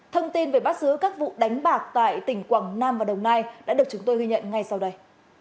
thông tin về bắt giữ các vụ đánh bạc tại tỉnh quảng nam và đồng nai đã được chúng tôi ghi nhận ngay sau đây